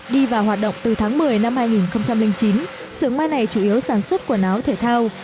đi vào hoạt động từ tháng một mươi năm hai nghìn chín sưởng mai này chủ yếu sản xuất quần áo thể thao